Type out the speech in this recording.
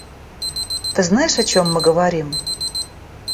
Ты знаешь, о чем мы говорим?